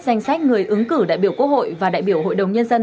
danh sách người ứng cử đại biểu quốc hội và đại biểu hội đồng nhân dân